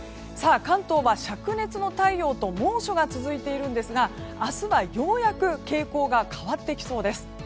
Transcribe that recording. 関東は灼熱の太陽と猛暑が続いているんですが明日はようやく傾向が変わってきそうです。